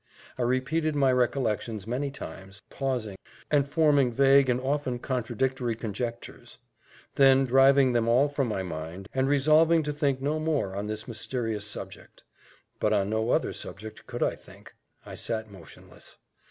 I repeated my recollections many times, pausing, and forming vague and often contradictory conjectures; then driving them all from my mind, and resolving to think no more on this mysterious subject; but on no other subject could I think I sat motionless.